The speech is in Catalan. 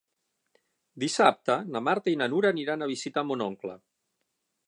Dissabte na Marta i na Nura aniran a visitar mon oncle.